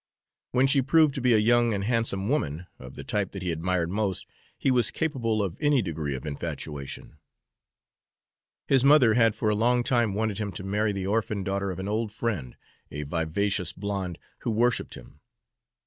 When she proved to be a young and handsome woman, of the type that he admired most, he was capable of any degree of infatuation. His mother had for a long time wanted him to marry the orphan daughter of an old friend, a vivacious blonde, who worshiped him.